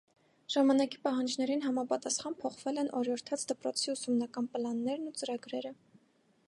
Ժամանակի պահանջներին համապատասխան փոփոխվել են օրիորդաց դպրոցի ուսումնական պլաններն ու ծրագրերը։